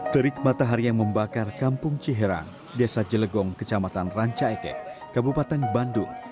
terik matahari yang membakar kampung ciharang desa jelegong kecamatan rancaike kabupaten bandung